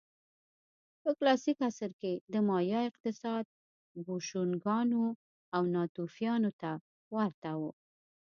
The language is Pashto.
په کلاسیک عصر کې د مایا اقتصاد بوشونګانو او ناتوفیانو ته ورته و